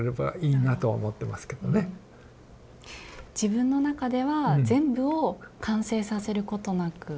自分の中では全部を完成させることなく。